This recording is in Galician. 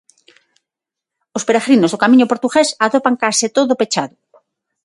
Os peregrinos do camiño portugués atopan case todo pechado.